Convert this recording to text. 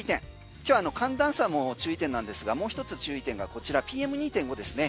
今日、寒暖差も注意点なんですがもう一つ注意点がこちらＰＭ２．５ですね。